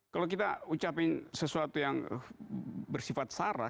kalau kita ucapin sesuatu yang bersifat sarah